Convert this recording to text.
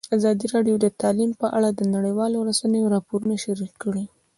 ازادي راډیو د تعلیم په اړه د نړیوالو رسنیو راپورونه شریک کړي.